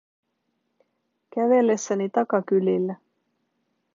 Kävellessäni takakylillä.